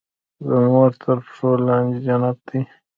د مور تر پښو لاندي جنت دی.